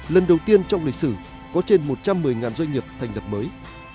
lần đầu tiên trong lịch sử có trên một trăm một mươi doanh nghiệp thành lập mới